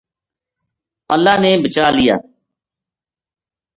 اللہ نے بچا لیا